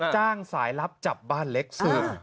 จ้างสายลับจับบ้านเล็กเสิร์ฟ